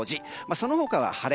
その他は晴れ。